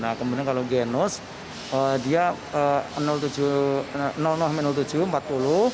nah kemudian kalau genos dia tujuh empat puluh